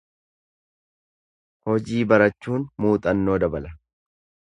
Hojii barachuun muuxannoo dabala.